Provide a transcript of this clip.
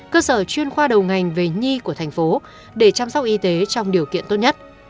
cơ sở chuyên khoa đầu ngành về nhi của thành phố để chăm sóc y tế trong điều kiện tốt nhất